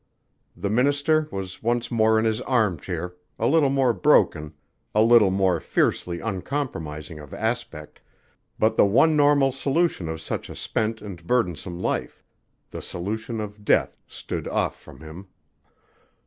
The minister was once more in his arm chair, a little more broken, a little more fiercely uncompromising of aspect, but the one normal solution of such a spent and burdensome life: the solution of death, stood off from him.